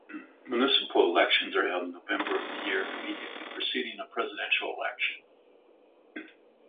Municipal elections are held in November of the year immediately preceding a presidential election.